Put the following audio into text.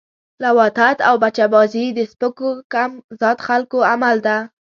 لواطت او بچه بازی د سپکو کم ذات خلکو عمل ده